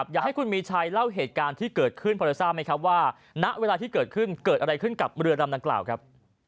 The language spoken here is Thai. อยากให้คุณมีชัยเล่าเหตุการณ์ที่เกิดขึ้นพอจะทราบไหมครับว่าณเวลาที่เกิดขึ้นเกิดอะไรขึ้นกับเรือลำดังกล่าวครับ